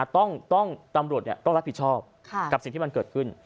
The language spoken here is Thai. ตำรวจต้องรับผิดชอบกับสิ่งที่มันเกิดขึ้น